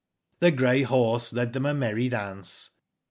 The grey horse led them a merry dance.